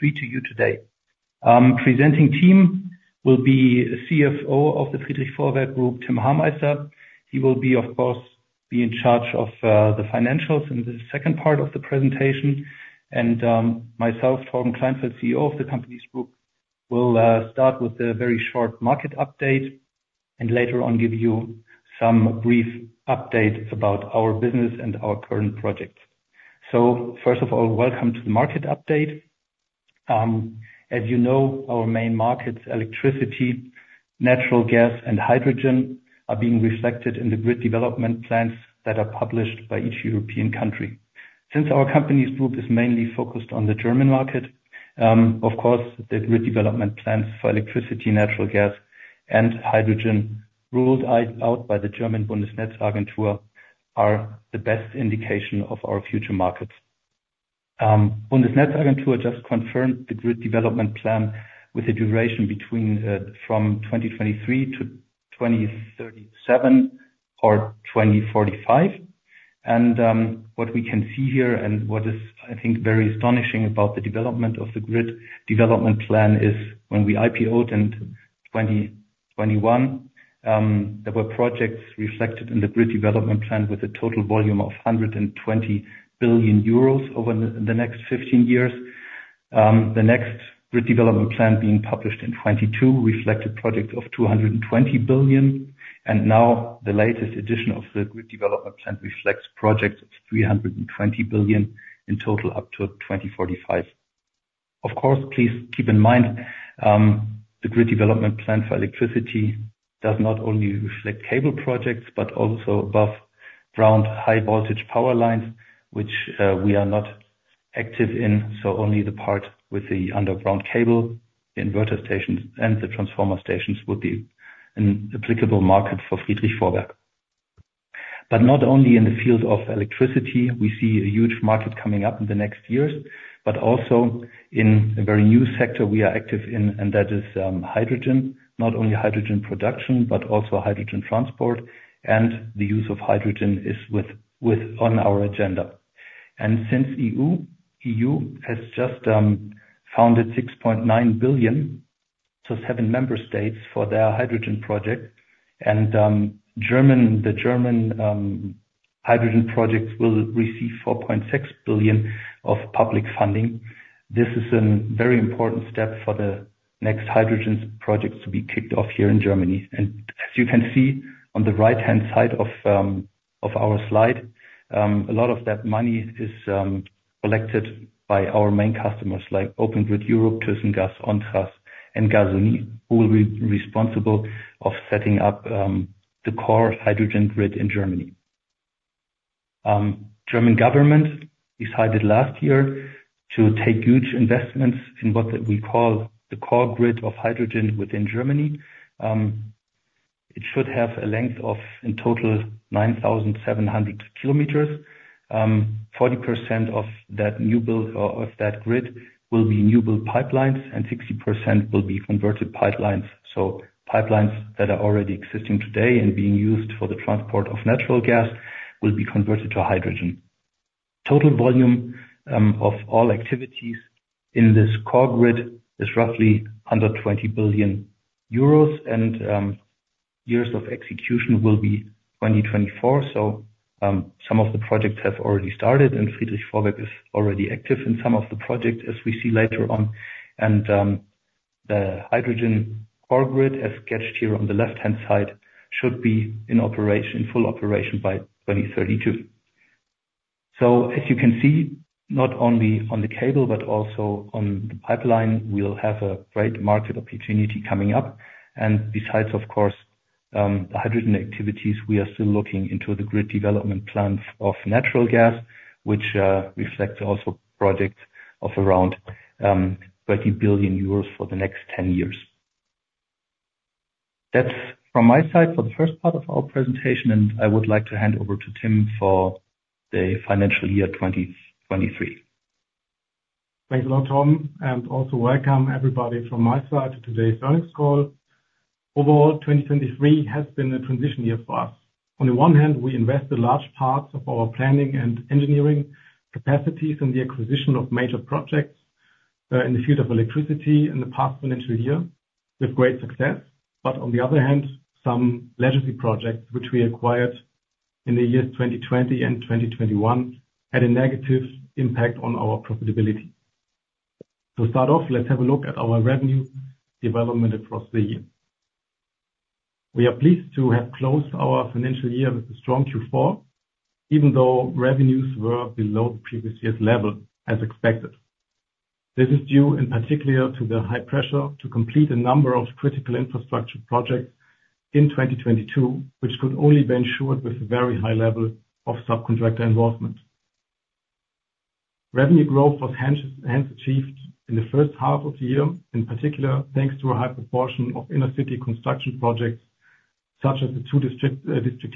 Be free to you today. Presenting team will be CFO of the Friedrich Vorwerk Group, Tim Hameister. He will, of course, be in charge of the financials in the second part of the presentation. And myself, Torben Kleinfeldt, CEO of the company group, will start with a very short market update, and later on, give you some brief updates about our business and our current projects. So first of all, welcome to the market update. As you know, our main markets, electricity, natural gas, and hydrogen, are being reflected in the grid development plans that are published by each European country. Since our company group is mainly focused on the German market, of course, the grid development plans for electricity, natural gas, and hydrogen rolled out by the German Bundesnetzagentur are the best indication of our future markets. Bundesnetzagentur just confirmed the grid development plan with a duration from 2023 to 2037 or 2045. What we can see here, and what is, I think, very astonishing about the development of the grid development plan is when we IPO'd in 2021, there were projects reflected in the grid development plan with a total volume of 120 billion euros over the next 15 years. The next grid development plan being published in 2022 reflected projects of 220 billion, and now the latest edition of the grid development plan reflects projects of 320 billion in total up to 2045. Of course, please keep in mind, the grid development plan for electricity does not only reflect cable projects, but also above ground high voltage power lines, which, we are not active in, so only the part with the underground cable, inverter stations, and the transformer stations would be an applicable market for Friedrich Vorwerk. But not only in the field of electricity, we see a huge market coming up in the next years, but also in a very new sector we are active in, and that is, hydrogen. Not only hydrogen production, but also hydrogen transport, and the use of hydrogen is with, on our agenda. And since EU, EU has just, funded 6.9 billion, so seven member states for their hydrogen project, and, German, the German, hydrogen projects will receive 4.6 billion of public funding. This is a very important step for the next hydrogen projects to be kicked off here in Germany. As you can see on the right-hand side of our slide, a lot of that money is collected by our main customers, like Open Grid Europe, Thyssengas, ONTRAS, and Gasunie, who will be responsible of setting up the core hydrogen grid in Germany. German government decided last year to take huge investments in what we call the core grid of hydrogen within Germany. It should have a length of, in total, 9,700 kilometers. 40% of that grid will be new build pipelines, and 60% will be converted pipelines. Pipelines that are already existing today and being used for the transport of natural gas will be converted to hydrogen. Total volume of all activities in this core grid is roughly under 20 billion euros, and years of execution will be 2024. So, some of the projects have already started, and Friedrich Vorwerk is already active in some of the projects, as we see later on. The hydrogen core grid, as sketched here on the left-hand side, should be in operation, full operation by 2032. So as you can see, not only on the cable, but also on the pipeline, we'll have a great market opportunity coming up. Besides, of course, the hydrogen activities, we are still looking into the grid development plans of natural gas, which reflects also projects of around 30 billion euros for the next 10 years. That's from my side for the first part of our presentation, and I would like to hand over to Tim for the financial year 2023. Thanks a lot, Tom, and also welcome, everybody, from my side to today's earnings call. Overall, 2023 has been a transition year for us. On the one hand, we invested large parts of our planning and engineering capacities in the acquisition of major projects, in the field of electricity in the past financial year with great success. On the other hand, some legacy projects, which we acquired in the years 2020 and 2021, had a negative impact on our profitability. To start off, let's have a look at our revenue development across the year. We are pleased to have closed our financial year with a strong Q4, even though revenues were below the previous year's level, as expected. This is due in particular to the high pressure to complete a number of critical infrastructure projects in 2022, which could only be ensured with a very high level of subcontractor involvement. Revenue growth was hence achieved in the first half of the year, in particular, thanks to a high proportion of inner city construction projects, such as the two district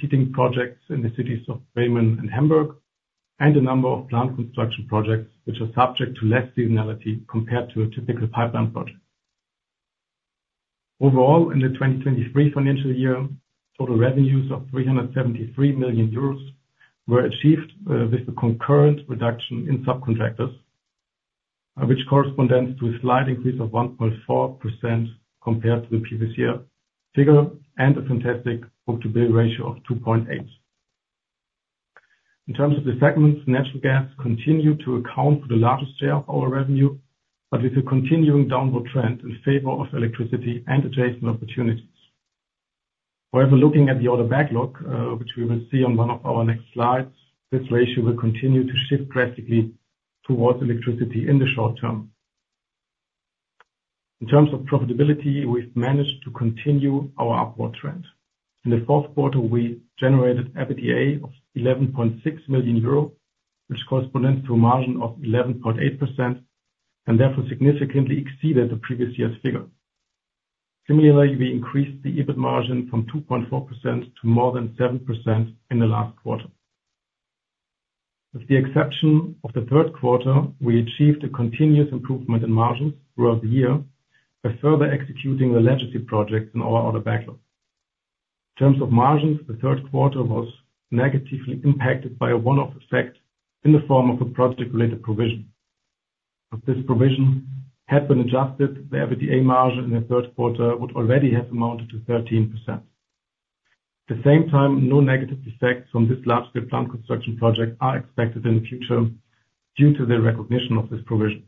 heating projects in the cities of Bremen and Hamburg, and a number of plant construction projects, which are subject to less seasonality compared to a typical pipeline project. Overall, in the 2023 financial year, total revenues of 373 million euros were achieved, with a concurrent reduction in subcontractors, which corresponds to a slight increase of 1.4% compared to the previous year figure and a fantastic book-to-bill ratio of 2.8. In terms of the segments, natural gas continued to account for the largest share of our revenue, but with a continuing downward trend in favor of electricity and adjacent opportunities. However, looking at the order backlog, which we will see on one of our next slides, this ratio will continue to shift drastically towards electricity in the short term. In terms of profitability, we've managed to continue our upward trend. In the fourth quarter, we generated EBITDA of 11.6 million euro, which corresponds to a margin of 11.8%, and therefore significantly exceeded the previous year's figure. Similarly, we increased the EBIT margin from 2.4% to more than 7% in the last quarter. With the exception of the third quarter, we achieved a continuous improvement in margins throughout the year by further executing the legacy projects in our order backlog. In terms of margins, the third quarter was negatively impacted by a one-off effect in the form of a project-related provision. If this provision had been adjusted, the EBITDA margin in the third quarter would already have amounted to 13%. At the same time, no negative effects from this large-scale plant construction project are expected in the future due to the recognition of this provision.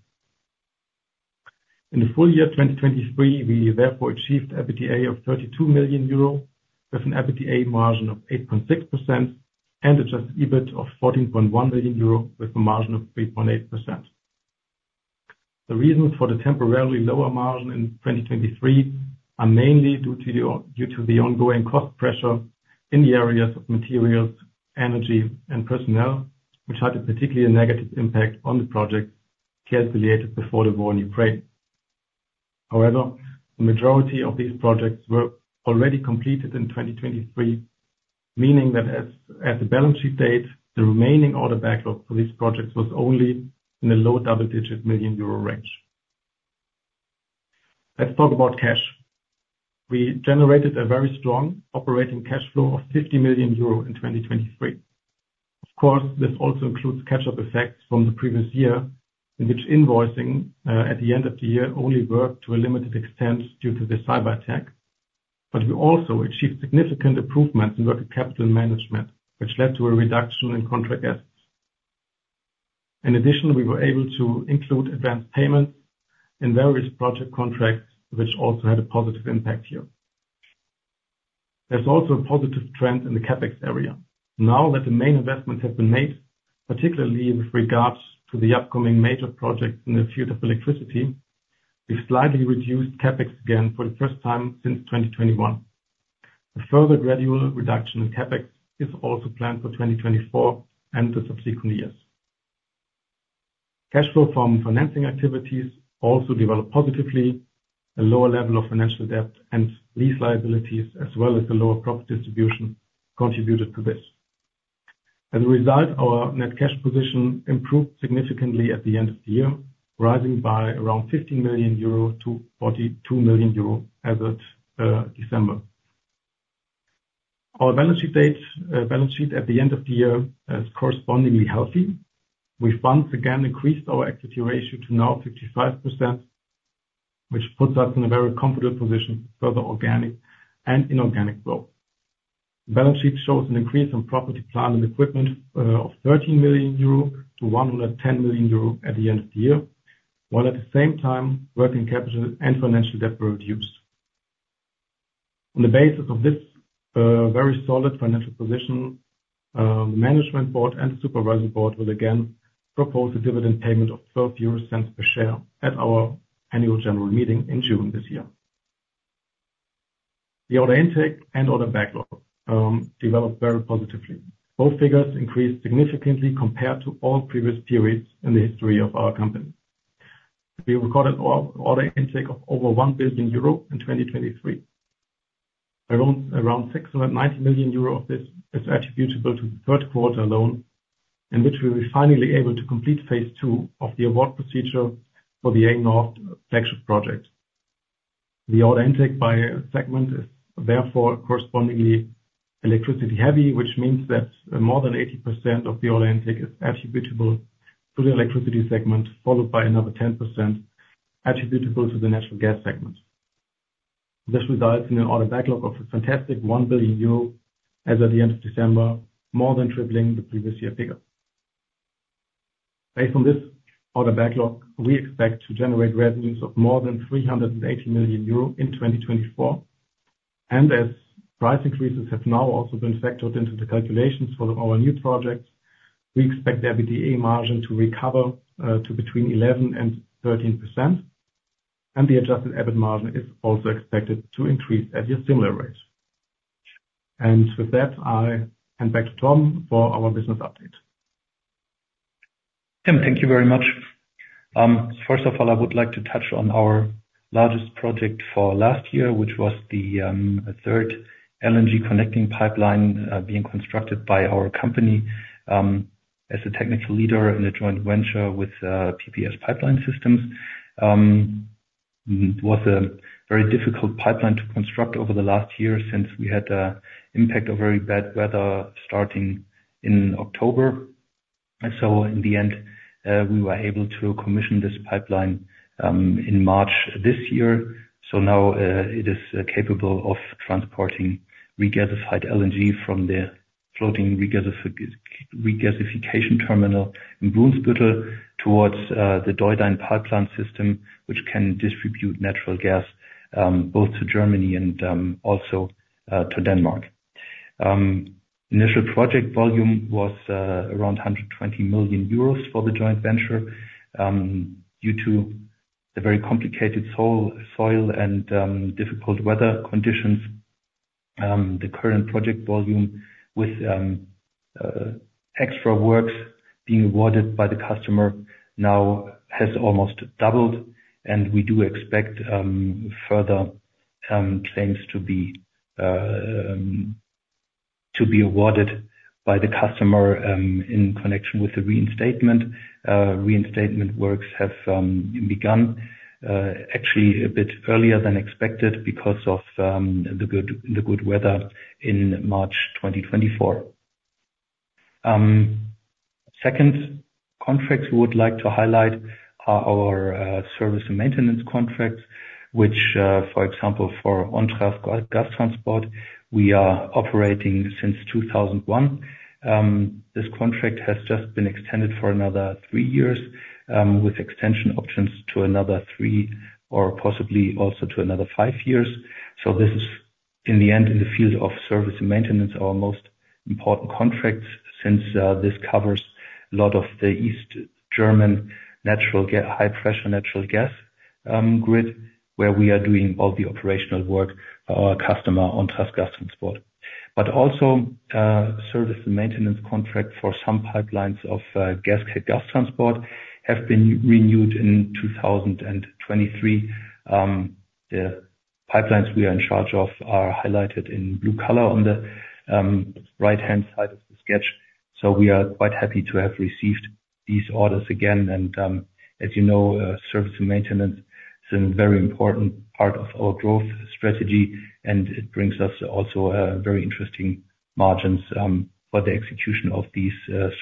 In the full year 2023, we therefore achieved EBITDA of 32 million euro, with an EBITDA margin of 8.6% and adjusted EBIT of 14.1 million euro with a margin of 3.8%. The reasons for the temporarily lower margin in 2023 are mainly due to the ongoing cost pressure in the areas of materials, energy, and personnel, which had a particularly negative impact on the project calculated before the war in Ukraine. However, the majority of these projects were already completed in 2023, meaning that as the balance sheet date, the remaining order backlog for these projects was only in the low double-digit million EUR range. Let's talk about cash. We generated a very strong operating cash flow of 50 million euro in 2023. Of course, this also includes catch-up effects from the previous year, in which invoicing at the end of the year only worked to a limited extent due to the cyberattack. But we also achieved significant improvements in working capital management, which led to a reduction in contract assets. In addition, we were able to include advanced payment in various project contracts, which also had a positive impact here. There's also a positive trend in the CapEx area. Now that the main investments have been made, particularly with regards to the upcoming major projects in the field of electricity, we've slightly reduced CapEx again for the first time since 2021. A further gradual reduction in CapEx is also planned for 2024 and the subsequent years. Cash flow from financing activities also developed positively. A lower level of financial debt and lease liabilities, as well as the lower profit distribution contributed to this. As a result, our net cash position improved significantly at the end of the year, rising by around 15 million euro to 42 million euro as of December. Our balance sheet date, balance sheet at the end of the year is correspondingly healthy. We once again increased our equity ratio to now 55%, which puts us in a very comfortable position for the organic and inorganic growth. Balance sheet shows an increase in property, plant, and equipment of 13 million euro to 110 million euro at the end of the year, while at the same time, working capital and financial debt were reduced. On the basis of this very solid financial position, the management board and supervisory board will again propose a dividend payment of 0.12 per share at our annual general meeting in June this year. The order intake and order backlog developed very positively. Both figures increased significantly compared to all previous periods in the history of our company. We recorded order intake of over 1 billion euro in 2023. Around 690 million euro of this is attributable to the third quarter alone, in which we were finally able to complete phase two of the award procedure for the A-Nord flagship project. The order intake by segment is therefore correspondingly electricity heavy, which means that more than 80% of the order intake is attributable to the electricity segment, followed by another 10% attributable to the natural gas segment. This results in an order backlog of a fantastic 1 billion euro as of the end of December, more than tripling the previous year figure. Based on this order backlog, we expect to generate revenues of more than 380 million euro in 2024. As price increases have now also been factored into the calculations for our new projects, we expect the EBITDA margin to recover to between 11% and 13%, and the adjusted EBIT margin is also expected to increase at a similar rate. With that, I hand back to Tom for our business update. Tim, thank you very much. First of all, I would like to touch on our largest project for last year, which was the third LNG connecting pipeline being constructed by our company. As a technical leader in a joint venture with PPS Pipeline Systems, it was a very difficult pipeline to construct over the last year since we had an impact of very bad weather starting in October. So in the end, we were able to commission this pipeline in March this year. So now, it is capable of transporting regasified LNG from the floating regasification terminal in Brunsbüttel towards the DEUDAN pipeline system, which can distribute natural gas both to Germany and also to Denmark. Initial project volume was around 120 million euros for the joint venture. Due to the very complicated soil and difficult weather conditions, the current project volume with extra work being awarded by the customer now has almost doubled, and we do expect further claims to be awarded by the customer in connection with the reinstatement. Reinstatement works have begun actually a bit earlier than expected because of the good weather in March 2024. Second contract we would like to highlight are our service and maintenance contracts, which, for example, for ONTRAS Gastransport, we are operating since 2001. This contract has just been extended for another three years with extension options to another three, or possibly also to another five years. So this is in the end, in the field of service and maintenance, our most important contracts, since this covers a lot of the East German natural high pressure natural gas grid, where we are doing all the operational work for our customer ONTRAS Gastransport. But also, service and maintenance contract for some pipelines of Gascade Gastransport have been renewed in 2023. The pipelines we are in charge of are highlighted in blue color on the right-hand side of the sketch. So we are quite happy to have received these orders again, and as you know, service and maintenance is a very important part of our growth strategy, and it brings us also very interesting margins for the execution of these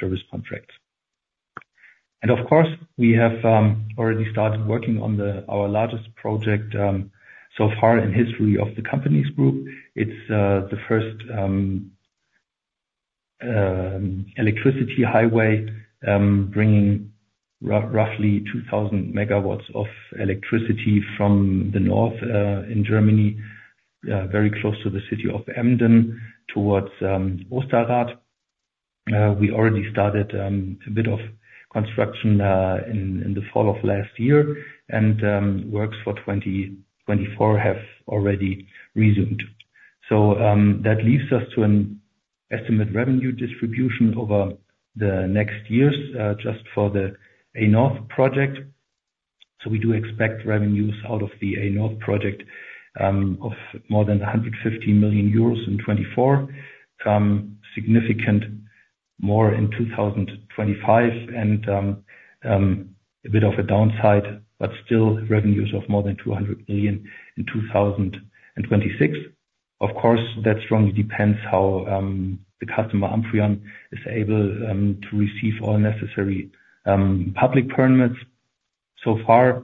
service contracts. Of course, we have already started working on our largest project so far in history of the company group. It's the first electricity highway bringing roughly 2,000 MW of electricity from the north in Germany very close to the city of Emden towards Osterath. We already started a bit of construction in the fall of last year, and works for 2024 have already resumed. So that leads us to an estimate revenue distribution over the next years just for the A-Nord project. So we do expect revenues out of the A-Nord project of more than 150 million euros in 2024, some significant more in 2025, and a bit of a downside, but still revenues of more than 200 million in 2026. Of course, that strongly depends how the customer Amprion is able to receive all necessary public permits. So far,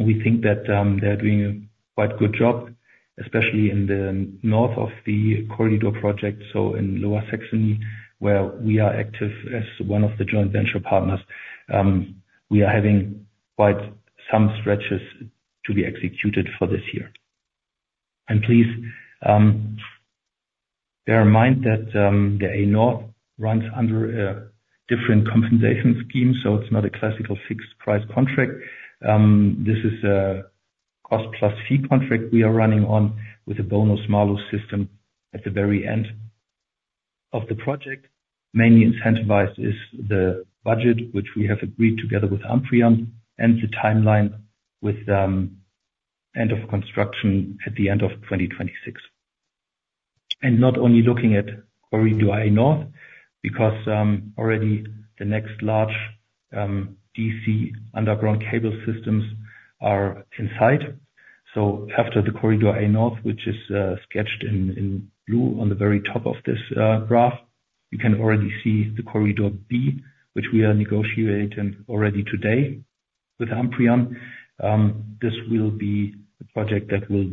we think that they're doing a quite good job, especially in the north of the corridor project, so in Lower Saxony, where we are active as one of the joint venture partners. We are having quite some stretches to be executed for this year. And please bear in mind that the A-Nord runs under a different compensation scheme, so it's not a classical fixed price contract. This is a cost plus fee contract we are running on with a bonus-malus system at the very end of the project. Mainly incentivized is the budget, which we have agreed together with Amprion, and the timeline with end of construction at the end of 2026. And not only looking at Corridor A-Nord, because already the next large DC underground cable systems are in sight. So after the Corridor A-Nord, which is sketched in blue on the very top of this graph, you can already see the Corridor B, which we are negotiating already today with Amprion. This will be the project that will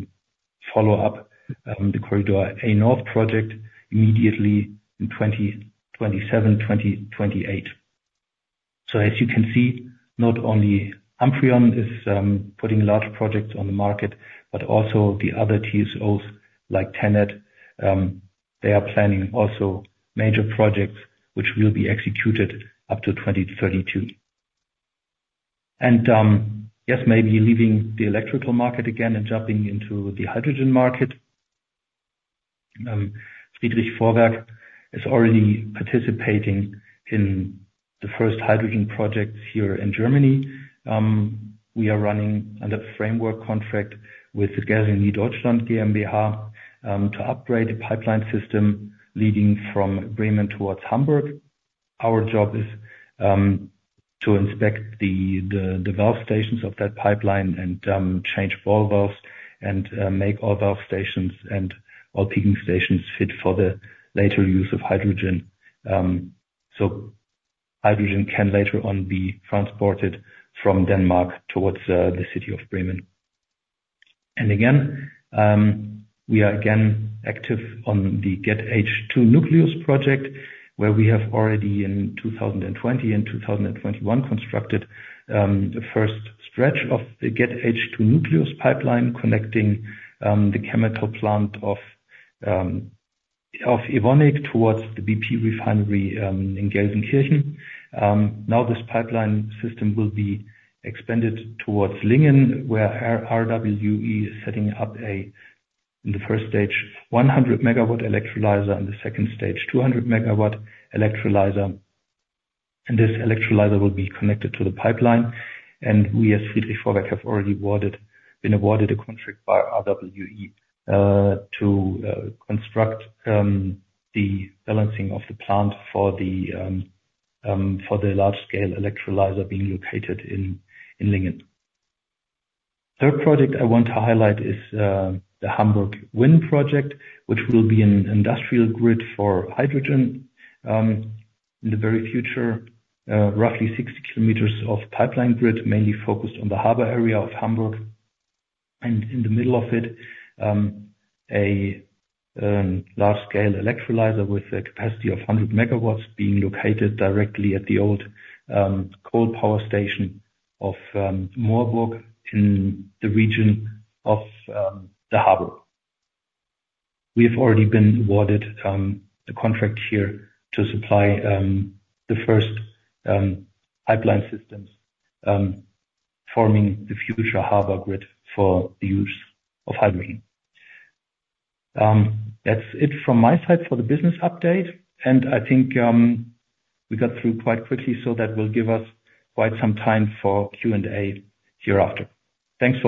follow up the Corridor A-Nord project immediately in 2027, 2028. So as you can see, not only Amprion is putting large projects on the market, but also the other TSOs, like TenneT. They are planning also major projects which will be executed up to 2032. Yes, maybe leaving the electrical market again and jumping into the hydrogen market. Friedrich Vorwerk is already participating in the first hydrogen projects here in Germany. We are running under the framework contract with the Gasunie Deutschland GmbH to upgrade the pipeline system leading from Bremen towards Hamburg. Our job is to inspect the valve stations of that pipeline and change ball valves and make all valve stations and all peaking stations fit for the later use of hydrogen. So hydrogen can later on be transported from Denmark towards the city of Bremen. Again, we are again active on the GET H2 Nucleus project, where we have already in 2020 and 2021, constructed the first stretch of the GET H2 Nucleus pipeline, connecting the chemical plant of Evonik toward the BP refinery in Gelsenkirchen. Now this pipeline system will be expanded toward Lingen, where RWE is setting up a, in the first stage, 100 MW electrolyzer, in the second stage, 200 MW electrolyzer. And this electrolyzer will be connected to the pipeline. And we as Friedrich Vorwerk, have already been awarded a contract by RWE, to construct the balancing of the plant for the large-scale electrolyzer being located in Lingen. Third project I want to highlight is the Hamburg WIN Project, which will be an industrial grid for hydrogen in the very future. Roughly 60 kilometers of pipeline grid, mainly focused on the harbor area of Hamburg. In the middle of it, a large-scale electrolyzer with a capacity of 100 megawatts, being located directly at the old coal power station of Moorburg, in the region of the harbor. We have already been awarded the contract here to supply the first pipeline systems forming the future harbor grid for the use of hydrogen. That's it from my side for the business update. I think we got through quite quickly, so that will give us quite some time for Q&A hereafter. Thanks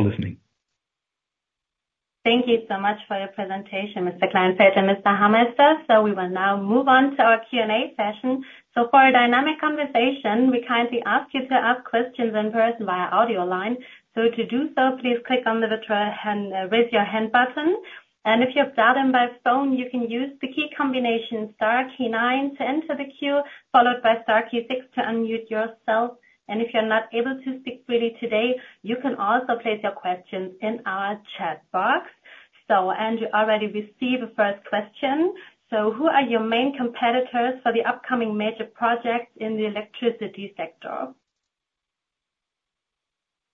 for listening. Thank you so much for your presentation, Mr. Kleinfeldt and Mr. Hameister. We will now move on to our Q&A session. For a dynamic conversation, we kindly ask you to ask questions in person via audio line. To do so, please click on the virtual hand, Raise Your Hand button, and if you have dialed in by phone, you can use the key combination star key nine to enter the queue, followed by star key six to unmute yourself. If you're not able to speak freely today, you can also place your questions in our chat box. And you already receive the first question: So who are your main competitors for the upcoming major projects in the electricity sector?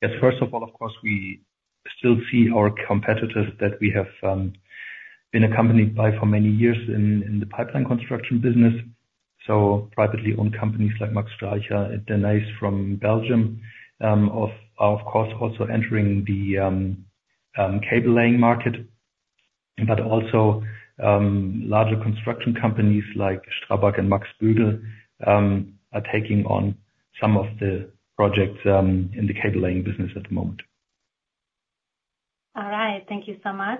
Yes, first of all, of course, we still see our competitors that we have been accompanied by for many years in the pipeline construction business. So privately owned companies like Max Streicher and Denys from Belgium are of course also entering the cable laying market, but also larger construction companies like Strabag and Max Bögl are taking on some of the projects in the cable laying business at the moment. All right. Thank you so much.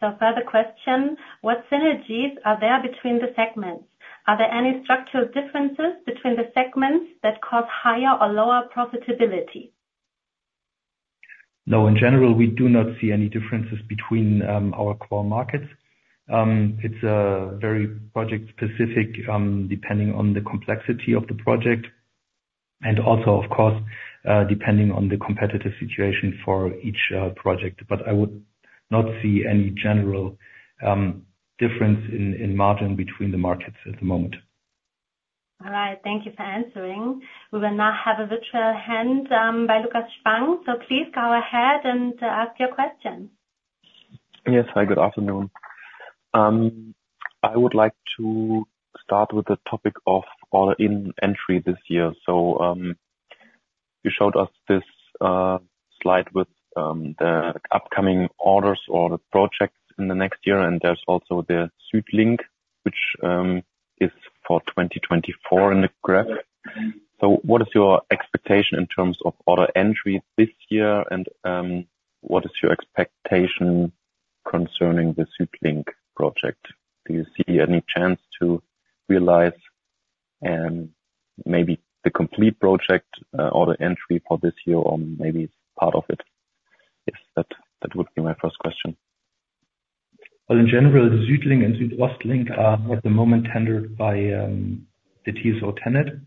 So further question, what synergies are there between the segments? Are there any structural differences between the segments that cause higher or lower profitability? No, in general, we do not see any differences between our core markets. It's very project specific, depending on the complexity of the project, and also, of course, depending on the competitive situation for each project. But I would not see any general difference in margin between the markets at the moment. All right. Thank you for answering. We will now have a virtual hand by Lucas Spang. So please go ahead and ask your question. Yes. Hi, good afternoon. I would like to start with the topic of order intake this year. So, you showed us this slide with the upcoming orders or the projects in the next year, and there's also the SüdLink, which is for 2024 in the graph. So what is your expectation in terms of order intake this year, and what is your expectation concerning the SüdLink project? Do you see any chance to realize maybe the complete project order intake for this year, or maybe part of it? Yes, that would be my first question. Well, in general, SüdLink and SüdOstLink are at the moment tendered by the TSO TenneT.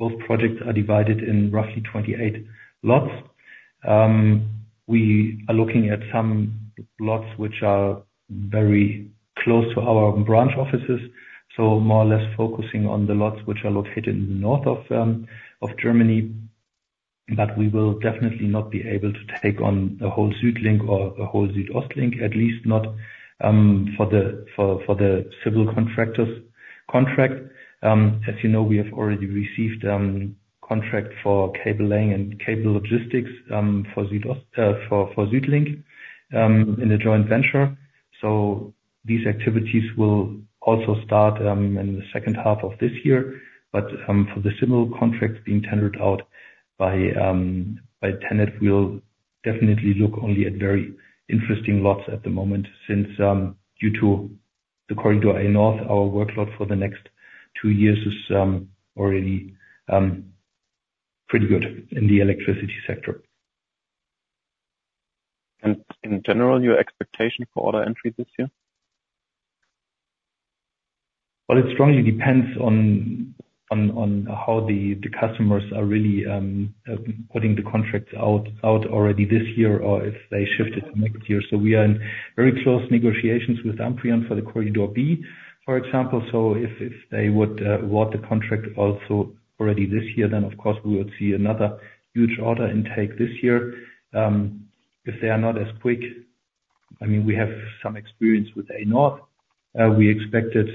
Both projects are divided in roughly 28 lots. We are looking at some lots which are very close to our branch offices, so more or less focusing on the lots which are located in the north of Germany. But we will definitely not be able to take on the whole SüdLink or the whole SüdOstLink, at least not for the civil contractors contract. As you know, we have already received contract for cable laying and cable logistics for SüdOstLink for SüdLink in the joint venture. So these activities will also start in the second half of this year. For the similar contracts being tendered out by TenneT, we'll definitely look only at very interesting lots at the moment, since due to the corridor A-Nord, our workload for the next 2 years is already pretty good in the electricity sector. In general, your expectation for order entry this year? Well, it strongly depends on how the customers are really putting the contracts out already this year, or if they shift it next year. So we are in very close negotiations with Amprion for the Corridor B, for example. So if they would award the contract also already this year, then, of course, we would see another huge order intake this year. If they are not as quick, I mean, we have some experience with A-Nord. We expected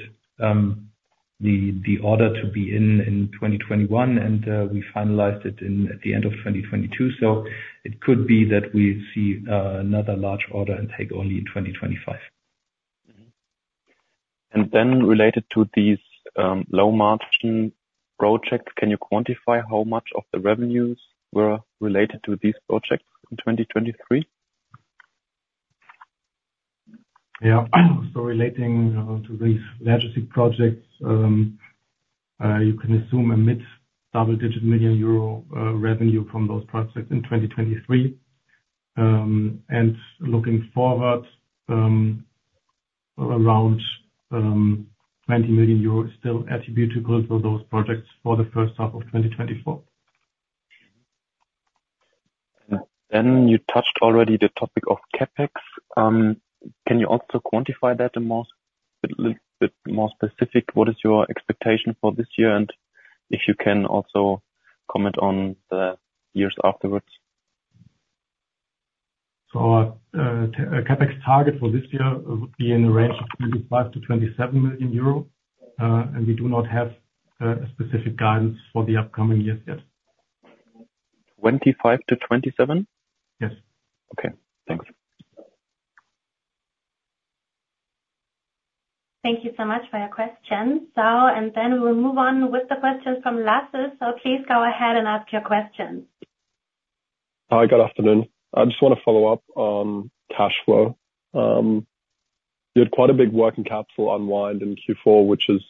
the order to be in 2021, and we finalized it at the end of 2022. So it could be that we see another large order intake only in 2025. Mm-hmm. And then related to these, low margin projects, can you quantify how much of the revenues were related to these projects in 2023? Yeah. So relating to these legacy projects, you can assume a mid-double-digit million EUR revenue from those projects in 2023. And looking forward, around 20 million euros still attributable to those projects for the first half of 2024. Then you touched already the topic of CapEx. Can you also quantify that a little bit more specific, what is your expectation for this year? And if you can also comment on the years afterwards. Our CapEx target for this year would be in the range of 25 million-27 million euro, and we do not have a specific guidance for the upcoming years yet. 25 to 27? Yes. Okay, thanks. Thank you so much for your question. And then we'll move on with the questions from Lasse. Please go ahead and ask your questions. Hi, good afternoon. I just want to follow up on cash flow. You had quite a big working capital unwind in Q4, which is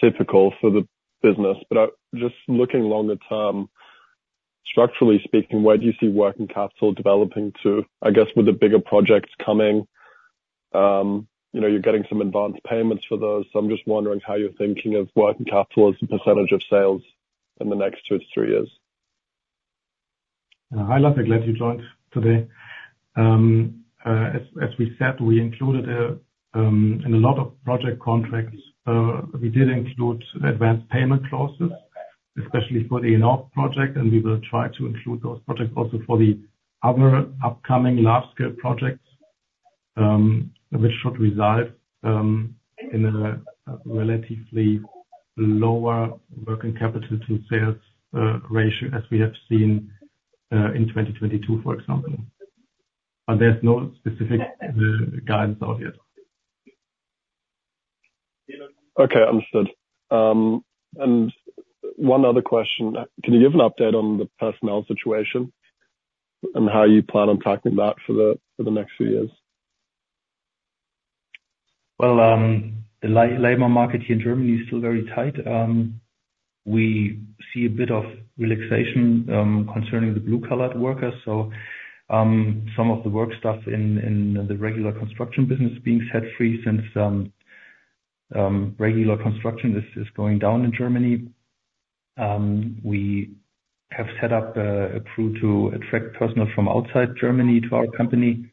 typical for the business, but just looking longer term, structurally speaking, where do you see working capital developing to? I guess, with the bigger projects coming, you know, you're getting some advanced payments for those. So I'm just wondering how you're thinking of working capital as a percentage of sales in the next two to three years. Hi, Lasse. Glad you joined today. As we said, we included in a lot of project contracts we did include advanced payment clauses, especially for the A-Nord project, and we will try to include those projects also for the other upcoming large-scale projects, which should result in a relatively lower working capital to sales ratio, as we have seen in 2022, for example. But there's no specific guidance out yet. Okay, understood. One other question, can you give an update on the personnel situation and how you plan on tackling that for the next few years? Well, the labor market here in Germany is still very tight. We see a bit of relaxation concerning the blue-collar workers. So, some of the work stuff in the regular construction business being set free since regular construction is going down in Germany. We have set up a crew to attract personnel from outside Germany to our company.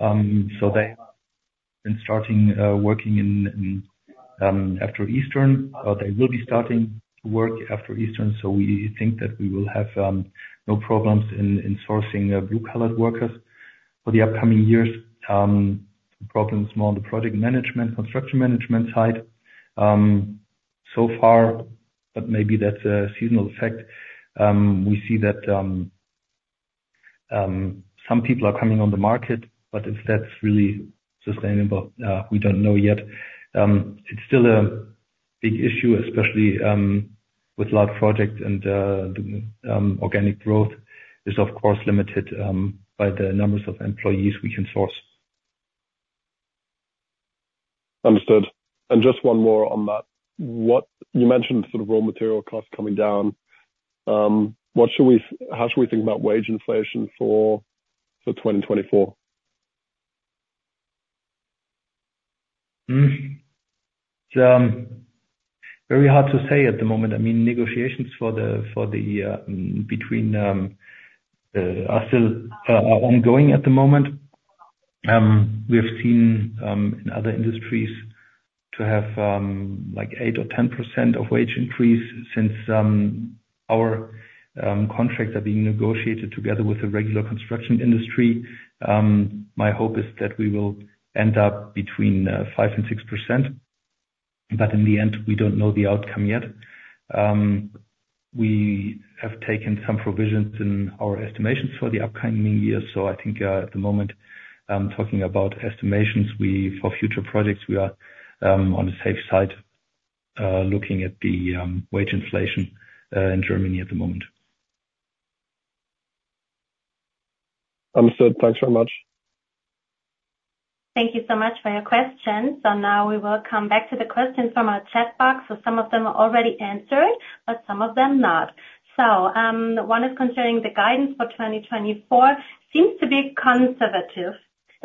So they've been starting working in after Easter, or they will be starting to work after Easter. So we think that we will have no problems in sourcing blue-collar workers for the upcoming years. The problem is more on the project management, construction management side. So far, but maybe that's a seasonal effect. We see that some people are coming on the market, but if that's really sustainable, we don't know yet. It's still a big issue, especially with large projects and organic growth is, of course, limited by the numbers of employees we can source. Understood. And just one more on that. What? You mentioned sort of raw material costs coming down. What should we, how should we think about wage inflation for 2024? Hmm. It's very hard to say at the moment. I mean, negotiations for the, for the, between, are still, are ongoing at the moment. We have seen, in other industries to have, like 8 or 10% of wage increase since, our, contracts are being negotiated together with the regular construction industry. My hope is that we will end up between 5 and 6%. But in the end, we don't know the outcome yet. We have taken some provisions in our estimations for the upcoming year. So I think, at the moment, talking about estimations, we, for future projects, we are, on the safe side, looking at the, wage inflation, in Germany at the moment. Understood. Thanks very much. Thank you so much for your questions. So now we will come back to the questions from our chat box. So some of them are already answered, but some of them not. So, one is concerning the guidance for 2024, seems to be conservative,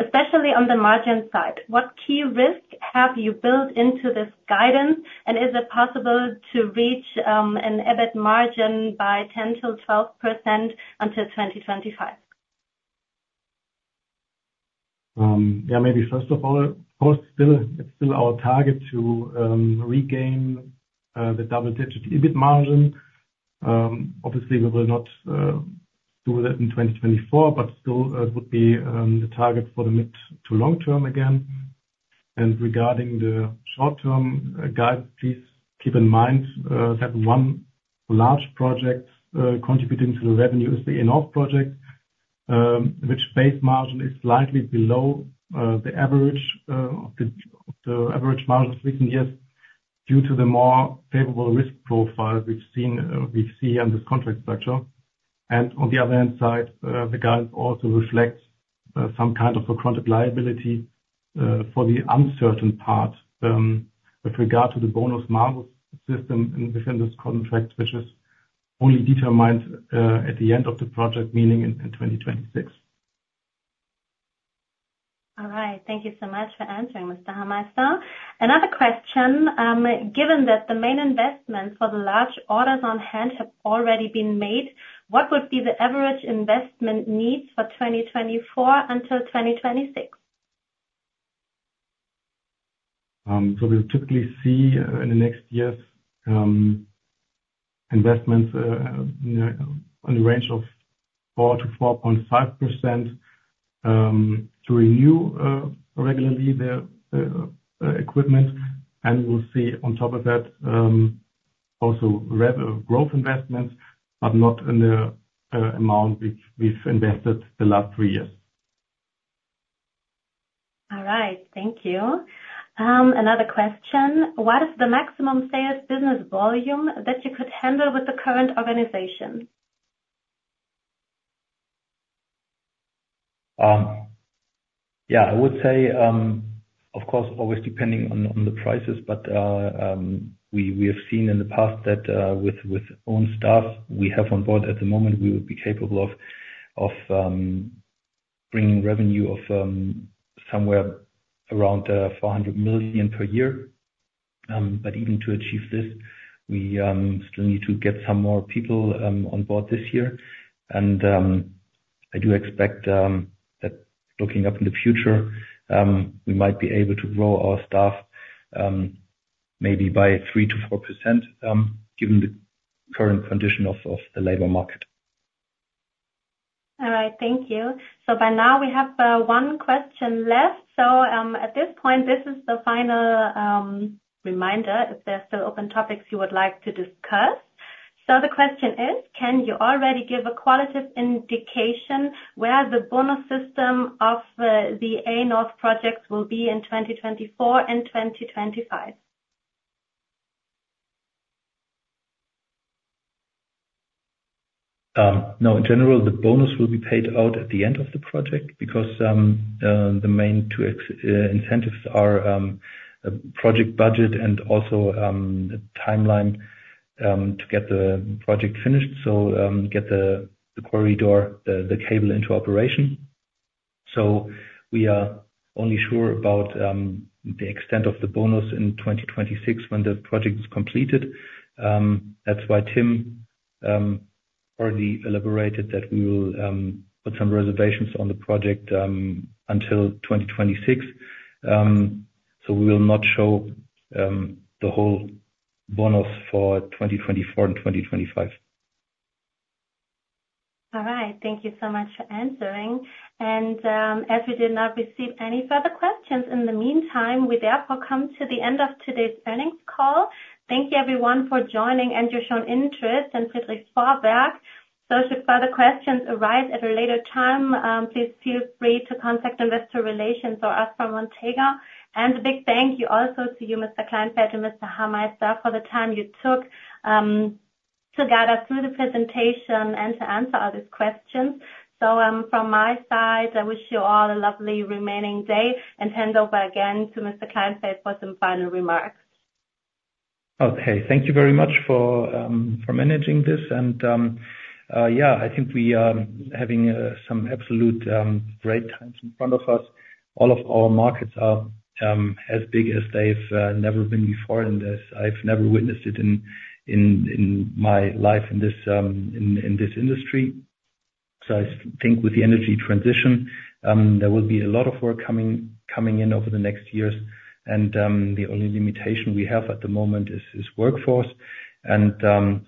especially on the margin side. What key risks have you built into this guidance? And is it possible to reach, an EBIT margin by 10%-12% until 2025? Yeah, maybe first of all, of course, still, it's still our target to regain the double-digit EBIT margin. Obviously, we will not do that in 2024, but still, it would be the target for the mid to long term again. Regarding the short term guide, please keep in mind that one large project contributing to the revenue is the A-Nord project, which base margin is slightly below the average of the average margin recent years, due to the more favorable risk profile we've seen we see on this contract structure. On the other hand side, the guide also reflects some kind of a chronic liability for the uncertain part with regard to the bonus-malus system and within this contract, which is only determined at the end of the project, meaning in 2026. All right. Thank you so much for answering, Mr. Hameister. Another question, given that the main investments for the large orders on hand have already been made, what would be the average investment needs for 2024 until 2026? So we'll typically see, in the next years, investments, you know, on the range of 4%-4.5%, to renew regularly the equipment. And we'll see on top of that, also growth investments, but not in the amount which we've invested the last three years. All right. Thank you. Another question: What is the maximum sales business volume that you could handle with the current organization? Yeah, I would say, of course, always depending on the prices, but we have seen in the past that with own staff we have on board at the moment, we would be capable of bringing revenue of somewhere around 400 million per year. But even to achieve this, we still need to get some more people on board this year. I do expect that looking up in the future, we might be able to grow our staff maybe by 3%-4% given the current condition of the labor market. All right, thank you. So by now, we have one question left. So at this point, this is the final reminder, if there are still open topics you would like to discuss. So the question is: Can you already give a qualitative indication where the bonus system of the A-Nord projects will be in 2024 and 2025? No. In general, the bonus will be paid out at the end of the project because the main two incentives are project budget and also the timeline to get the project finished. So, get the corridor, the cable into operation. So we are only sure about the extent of the bonus in 2026, when the project is completed. That's why Tim already elaborated that we will put some reservations on the project until 2026. So we will not show the whole bonus for 2024 and 2025. All right. Thank you so much for answering. As we did not receive any further questions in the meantime, we therefore come to the end of today's earnings call. Thank you, everyone, for joining and your shown interest in Friedrich Vorwerk. Should further questions arise at a later time, please feel free to contact investor relations or us from Montega. A big thank you also to you, Mr. Kleinfeldt and Mr. Hameister, for the time you took to guide us through the presentation and to answer all these questions. From my side, I wish you all a lovely remaining day, and hand over again to Mr. Kleinfeldt for some final remarks. Okay. Thank you very much for managing this. And yeah, I think we are having some absolute great times in front of us. All of our markets are as big as they've never been before in this. I've never witnessed it in my life in this industry. So I think with the energy transition, there will be a lot of work coming in over the next years. And the only limitation we have at the moment is workforce. And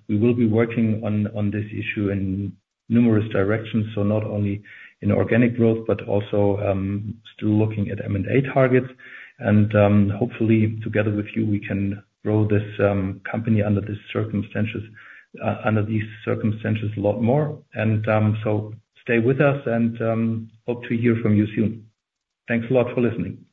we will be working on this issue in numerous directions, so not only in organic growth, but also still looking at M&A targets. And hopefully, together with you, we can grow this company under these circumstances under these circumstances a lot more. So stay with us, and hope to hear from you soon. Thanks a lot for listening.